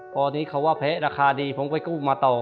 พอนี้เขาว่าแพ้ราคาดีผมก็ไปกู้มาต่อ